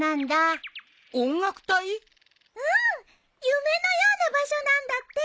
夢のような場所なんだって。